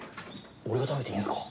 俺が食べていいんすか？